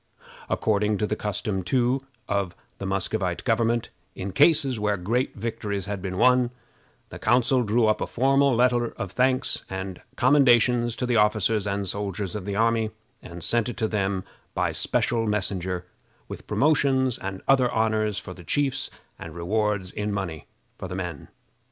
According to the custom, too, of the Muscovite government, in cases where great victories had been won, the council drew up a formal letter of thanks and commendations to the officers and soldiers of the army, and sent it to them by a special messenger, with promotions and other honors for the chiefs, and rewards in money for the men.